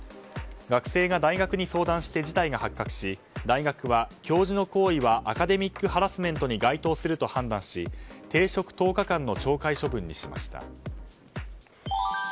学生が大学に相談して事態が発覚し大学は教授の行為はアカデミックハラスメントに該当すると判断し停職１０日間の懲戒処分にしました。